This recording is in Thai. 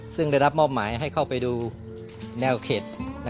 ซึ่งได้รับมอบหมายให้เข้าไปดูแนวเข็ด